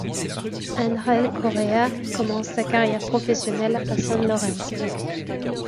Ángel Correa commence sa carrière professionnelle à San Lorenzo.